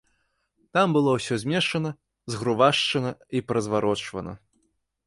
Там было ўсё змешана, згрувашчана і паразварочвана.